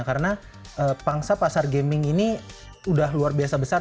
karena pangsa pasar gaming ini udah luar biasa besar